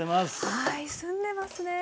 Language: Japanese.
はい澄んでますね。